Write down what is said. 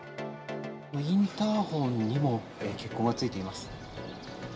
もうインターホンにも血痕がついています。